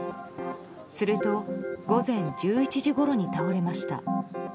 すると、午前１１時ごろに倒れました。